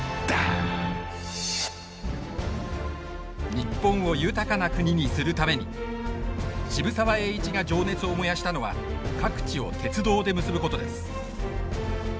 日本を豊かな国にするために渋沢栄一が情熱を燃やしたのは各地を鉄道で結ぶことです。